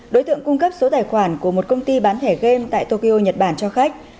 đối tượng cung cấp số tài khoản của một công ty bán lẻ game tại tokyo nhật bản cho khách